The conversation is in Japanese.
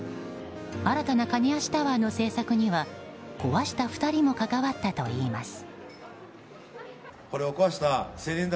新たなカニ足タワーの制作には壊した２人も関わったといいます。